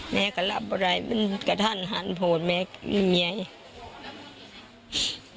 แม้ก็หลับอะไรมันก็ท่านหันโผล่แม้เมีย